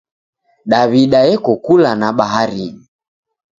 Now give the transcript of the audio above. Daw'ida eko kula na baharinyi.